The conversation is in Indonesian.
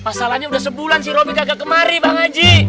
pasalannya udah sebulan si robby kagak kemari bang aji